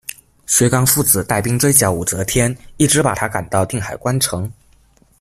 薛刚父子带兵追剿武则天，一直把她赶到定海关城。